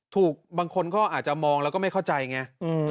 บางคนก็อาจจะมองแล้วก็ไม่เข้าใจไง